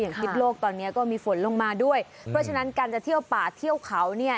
ทิศโลกตอนนี้ก็มีฝนลงมาด้วยเพราะฉะนั้นการจะเที่ยวป่าเที่ยวเขาเนี่ย